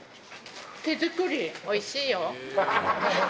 手作り、おいしいよ。